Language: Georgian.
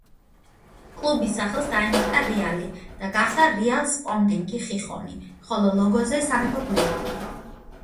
კლუბის სახელს დაემატა „რეალი“ და გახდა „რეალ სპორტინგი ხიხონი“, ხოლო ლოგოზე სამეფო გვირგვინი.